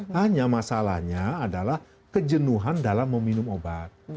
hanya masalahnya adalah kejenuhan dalam meminum obat